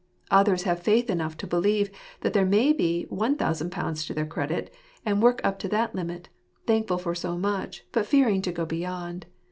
Others have faith enough to believe that there may be j£i,ooo to their credit, and work up to that limit, thankful for so much, but fearing to go beyond.